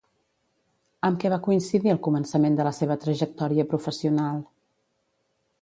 Amb què va coincidir el començament de la seva trajectòria professional?